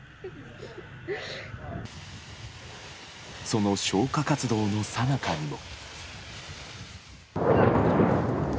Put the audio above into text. その消火活動のさなかにも。